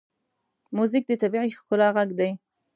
موزیک د طبیعي ښکلا غږ دی.